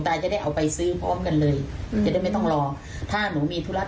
พระเกจิอาจารย์ชื่อดังไปดูนะครับทุกผู้ชมครับ